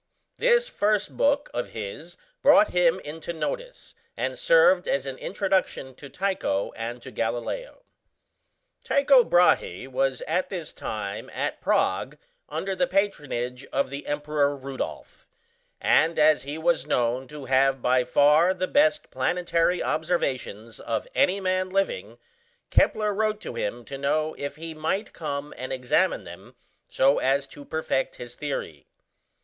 This first book of his brought him into notice, and served as an introduction to Tycho and to Galileo. Tycho Brahé was at this time at Prague under the patronage of the Emperor Rudolph; and as he was known to have by far the best planetary observations of any man living, Kepler wrote to him to know if he might come and examine them so as to perfect his theory.